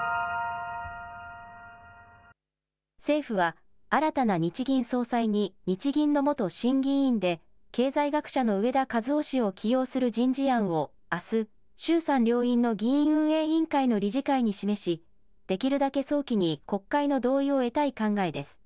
政府は新たな日銀総裁に日銀の元審議委員で経済学者の植田和男氏を起用する人事案をあす衆参両院の議院運営委員会の理事会に示しできるだけ早期に国会の同意を得たい考えです。